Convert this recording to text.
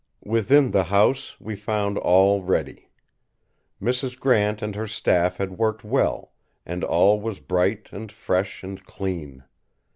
Within the house we found all ready. Mrs. Grant and her staff had worked well, and all was bright and fresh and clean.